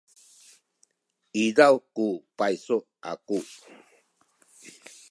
izaw ku paysu aku.